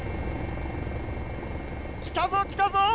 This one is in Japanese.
来たぞ、来たぞ！